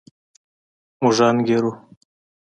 موږ انګېرو.